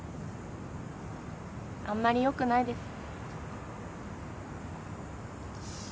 あんまり良くないです。